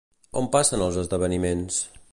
On passen els esdeveniments?